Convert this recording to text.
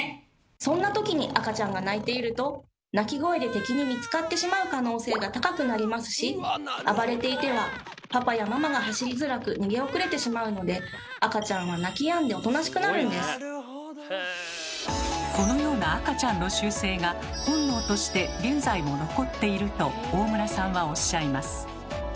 そんな時に赤ちゃんが泣いていると泣き声で敵に見つかってしまう可能性が高くなりますし暴れていてはパパやママが走りづらく逃げ遅れてしまうので赤ちゃんはこのような赤ちゃんの習性が本能として現在も残っていると大村さんはおっしゃいます。